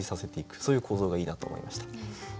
そういう構造がいいなと思いました。